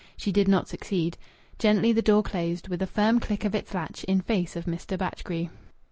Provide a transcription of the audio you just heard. She did not succeed. Gently the door closed, with a firm click of its latch, in face of Mr. Batchgrew.